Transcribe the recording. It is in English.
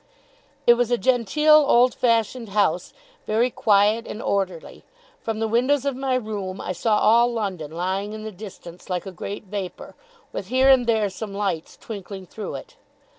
It was a genteel old fashioned house, very quiet and orderly. From the windows of my room I saw all London lying in the distance like a great vapour, with here and there some lights twinkling through it.